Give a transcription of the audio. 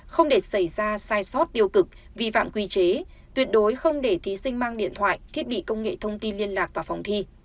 không để xảy ra sai sót tiêu cực vi phạm quy chế tuyệt đối không để thí sinh mang điện thoại thiết bị công nghệ thông tin liên lạc vào phòng thi